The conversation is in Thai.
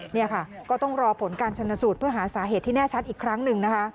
นี่ค่ะก็ต้องรอผลการชนสูตรเพื่อหาสาเหตุที่แน่ชัดอีกครั้งหนึ่งนะคะ